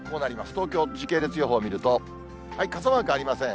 東京、時系列予報見ると、傘マークありません。